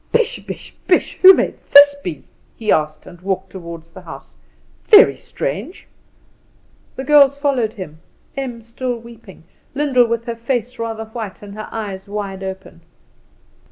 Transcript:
"Bish, bish, bish! what may this be?" he said, and walked toward the house. "Very strange!" The girls followed him: Em still weeping; Lyndall with her face rather white and her eyes wide open.